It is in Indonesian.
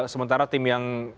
sementara tim yang